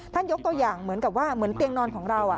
ยกตัวอย่างเหมือนกับว่าเหมือนเตียงนอนของเรา